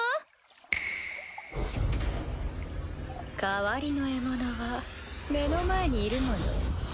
パチン代わりの獲物は目の前にいるもの。